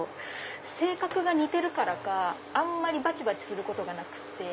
性格が似てるからかあんまりばちばちすることがなくて。